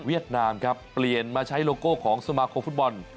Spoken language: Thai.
นามครับเปลี่ยนมาใช้โลโก้ของสมาคมฟุตบอล